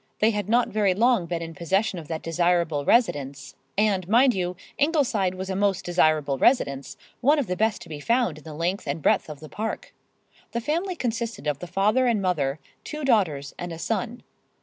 They had not very long been in possession of that desirable residence, and, mind you, Ingleside was a most desirable residence, one of the best to be found in the length and breadth of the [Pg 111]Park. The family consisted of the father and mother, two daughters and a son.